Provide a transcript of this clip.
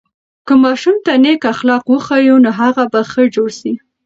که ماشوم ته نیک اخلاق وښیو، نو هغه به ښه جوړ سي.